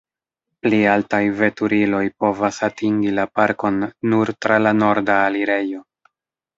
Pli altaj veturiloj povas atingi la parkon nur tra la norda alirejo.